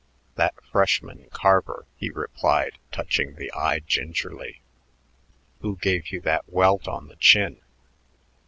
"That freshman Carver," he replied, touching the eye gingerly. "Who gave you that welt on the chin?"